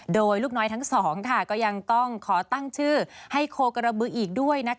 โดยลูกน้อยทั้งสองก็ยังต้องขอตั้งชื่อให้โคกระบืออีกด้วย